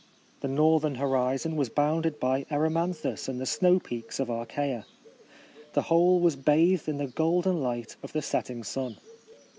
The northern horizon was bounded by Erymanthus and the snow peaks of Achaia. The whole was bathed in the golden light of the setting sun.